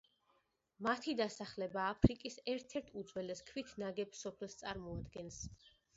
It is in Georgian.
მათი დასახლება აფრიკის ერთ-ერთ უძველეს ქვით ნაგებ სოფელს წარმოადგენს.